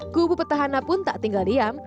kubu petahana pun tak tinggal diam